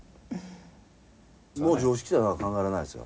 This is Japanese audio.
もう常識では考えられないですよ。